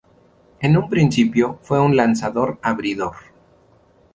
En un principio, fue un lanzador abridor.